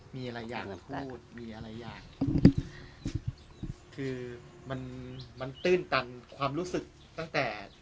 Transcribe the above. มีอะไรอยากพูดมีอะไรอยากคือมันมันตื้นตันความรู้สึกตั้งแต่